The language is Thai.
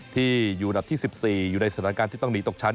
ที่อยู่อันดับที่๑๔อยู่ในสถานการณ์ที่ต้องหนีตกชั้น